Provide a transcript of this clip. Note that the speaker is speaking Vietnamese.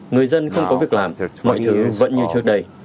người dân không có việc làm mọi thứ vẫn như trước đây